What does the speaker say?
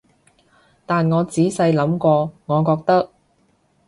但我仔細諗過，我覺得